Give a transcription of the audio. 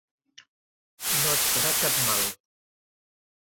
No et farà cap mal.